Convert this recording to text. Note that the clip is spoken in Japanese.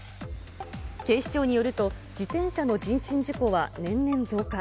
警視庁によると、自転車の人身事故は年々増加。